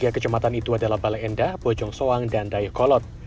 tiga kecamatan itu adalah bale endah bojong soang dan dayakolot